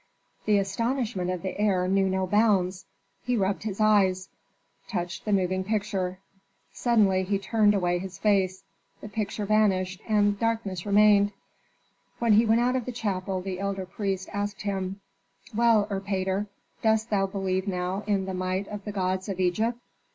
The astonishment of the heir knew no bounds. He rubbed his eyes, touched the moving picture. Suddenly he turned away his face; the picture vanished and darkness remained. When he went out of the chapel the elder priest asked him, "Well, Erpatr, dost thou believe now in the might of the gods of Egypt?"